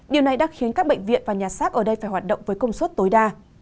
điều này đã khiến các bệnh viện và nhà xác ở đây phải hoạt động với công suất tối đa